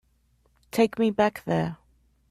Take me back there.